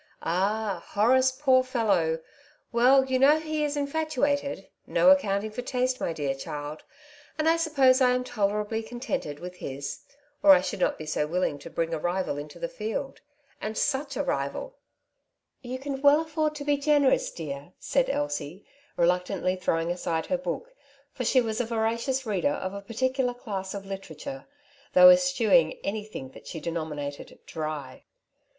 '' Ah I Horace, poor fellow ! Well, you know he is infatuated. No accounting for taste, my dear child. And I suppose I am tolerably contented with his, or I should not be so willing to bring a rival into the field — and such a rival." '^ You can well aflford to be generous, dear," said Elsie, reluctantly throwing aside her book ; for she was a voracious reader of a particular class of H 2 ) lOO " Two Sides to every QiiestionJ^ literature, though eschewing anjrthing that she denominated dry.